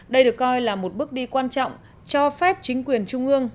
đây được coi là một bước đi quan trọng cho phép chính quyền trung ương